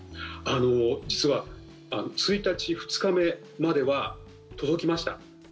実は１日、２日目までは届きました。